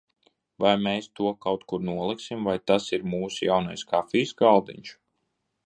Vai mēs to kaut kur noliksim, vai tas ir mūsu jaunais kafijas galdiņš?